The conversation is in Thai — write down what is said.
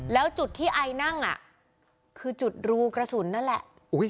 แล้วจุดที่ไอนั่งคือจุดรูกระสุนนั่นแหละ